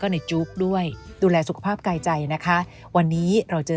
ในจุ๊กด้วยดูแลสุขภาพกายใจนะคะวันนี้เราเจอ